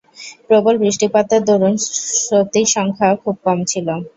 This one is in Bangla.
প্রবল বৃষ্টিপাতের দরুন শ্রোতৃসংখ্যা খুব কম ছিল।